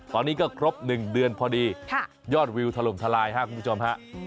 ตอนนี้ก็ครบหนึ่งเดือนพอดีค่ะยอดวิวถล่มทลายฮะคุณผู้ชมฮะ